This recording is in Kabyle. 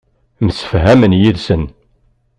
Msefhamen yid-sen.